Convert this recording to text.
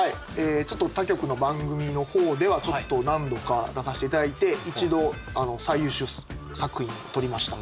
ちょっと他局の番組の方では何度か出させて頂いて一度最優秀作品を取りました。